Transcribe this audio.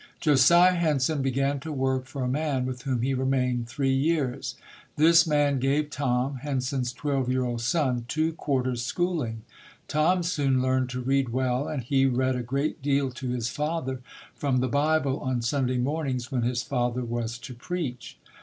Josiah Henson began to work for a man with whom he remained three years. This man gave Tom, Henson's twelve year old son, two quarters' schooling. Tom soon learned to read well, and he read a great deal to his father from the Bible on Sunday mornings when his father was to preach.